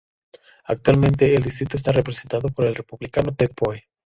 Actualmente el distrito está representado por el Republicano Ted Poe.